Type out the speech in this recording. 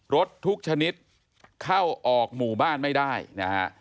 รถทุกชนิดเข้าออกหมู่บ้านไม่ได้นะฮะ